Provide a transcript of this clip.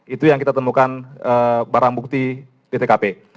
itu yang kita temukan barang bukti di tkp